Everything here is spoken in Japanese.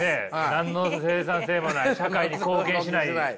何の生産性もない社会に貢献しないハハハ。